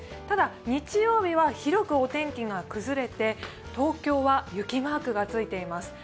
ただ日曜日は広くお天気が崩れて、東京は雪マークがついています。